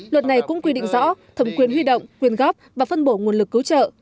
luật này cũng quy định rõ thẩm quyền huy động quyền góp và phân bổ nguồn lực cứu trợ